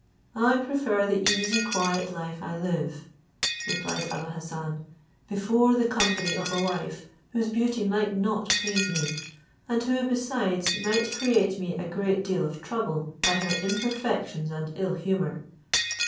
"I prefer the easy quiet life I live," replied Abou Hassan, "before the company of a wife, whose beauty might not please me, and who, besides, might create me a great deal of trouble by her imperfections and ill humour."